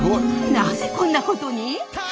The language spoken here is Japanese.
なぜこんなことに！？